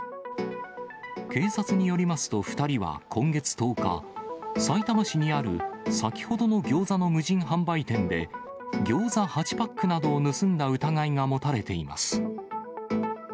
警察によりますと２人は今月１０日、さいたま市にある先ほどのギョーザの無人販売店で、ギョーザ８パックなどを盗んだ疑いが持たれています。